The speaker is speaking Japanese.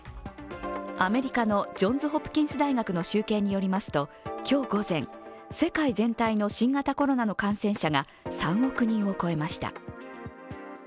アメリカのジョンズ・ホプキンス大学の集計によりますと、今日午前、世界全体の新型コロナの感染者が３億人を超えました。